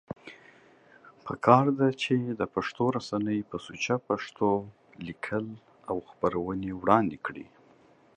پکار ده چې دا پښتو رسنۍ په سوچه پښتو ليکل او خپرونې وړاندی کړي